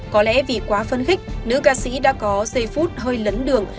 có lẽ vì quá phân khích nữ ca sĩ đã có giây phút hơi lấn đường